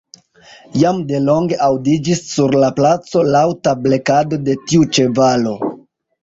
Jam de longe aŭdiĝis sur la placo laŭta blekado de tiu ĉevalo.